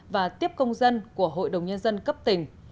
và tiếp công dân của hội đồng nhân dân cấp tỉnh